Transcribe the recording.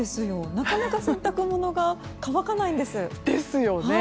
なかなか洗濯物が乾かないんです。ですよね。